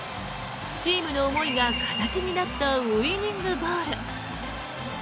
チームの思いが形になったウィニングボール。